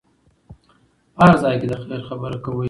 په هر ځای کې د خیر خبره کوئ.